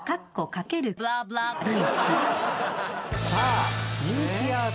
さあ人気アーティスト